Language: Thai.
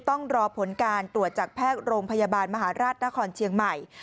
ต้องรอผลการตรวจจากแพทย์โรงพยาบาลมหาราชนครเชียงใหม่